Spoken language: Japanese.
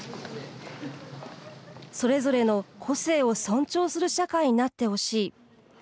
それぞれの「個性」を尊重する社会になってほしい。